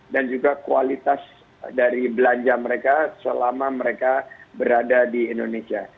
dan juga kualitas dari belanja mereka selama mereka berada di indonesia